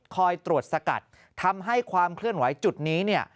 คอยตรวจสกัดทำให้ความเคลื่อนไหวจุดนี้เนี่ย